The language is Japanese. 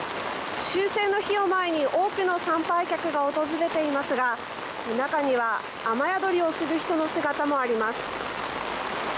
終戦の日を前に多くの参拝客が訪れていますが中には雨宿りをする人の姿もあります。